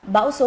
bão số một